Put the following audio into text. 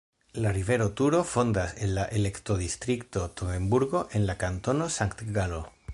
La rivero Turo fontas en la elektodistrikto Togenburgo en la Kantono Sankt-Galo.